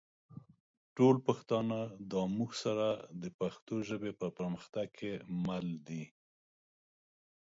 ټول پښتانه دا مونږ سره د پښتو ژبې په پرمختګ کې مل دي